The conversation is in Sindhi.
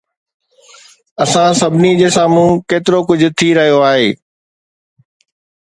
اسان سڀني جي سامهون ڪيترو ڪجهه ٿي رهيو آهي